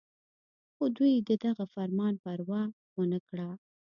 خو دوي د دغه فرمان پروا اونکړه